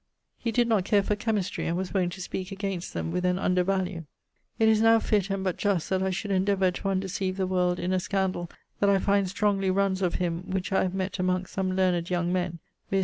He did not care for chymistrey, and was wont to speake against them with an undervalue. It is now fitt, and but just, that I should endeavour to undecieve the world in a scandall that I find strongly runnes of him, which I have mett amongst some learned young men: viz.